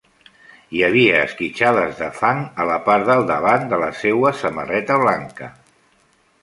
Hi havia esquitxades de fang a la part del davant de la seva samarreta blanca.